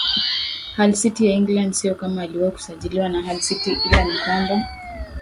Hull City ya EnglandSio kama aliwahi kusajiliwa na Hull City ila ni kwamba